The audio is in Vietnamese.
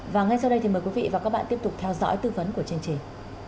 và ngay sau đây thì mời quý vị và các bạn tiếp tục theo dõi tư vấn của chương trình